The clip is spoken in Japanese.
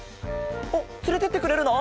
おっつれてってくれるの？